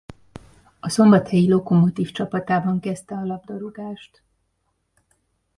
A Szombathelyi Lokomotív csapatában kezdte a labdarúgást.